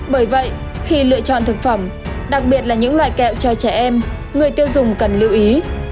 bởi vậy khi lựa chọn thực phẩm đặc biệt là những loại kẹo cho trẻ em người tiêu dùng cần lưu ý